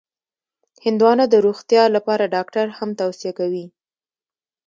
هندوانه د روغتیا لپاره ډاکټر هم توصیه کوي.